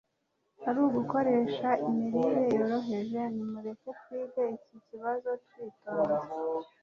ari ugukoresha imirire yoroheje. nimureke twige iki kibazo twitonze